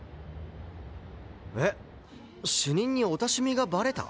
えっ主任にオタ趣味がバレた？